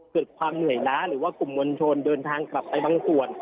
เกิดความเหนื่อยล้าหรือว่ากลุ่มมวลชนเดินทางกลับไปบางส่วน